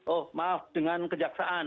oh maaf dengan kejaksaan